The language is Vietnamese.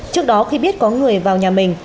trước đó khi biết có người vào nhà mình